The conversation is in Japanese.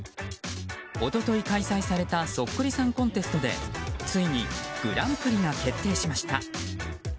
一昨日開催されたそっくりさんコンテストでついにグランプリが決定しました。